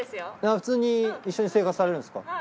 普通に一緒に生活されるんですか。